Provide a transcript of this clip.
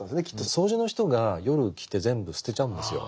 掃除の人が夜来て全部捨てちゃうんですよ。